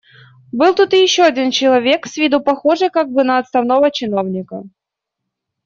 Был тут и еще один человек, с виду похожий как бы на отставного чиновника.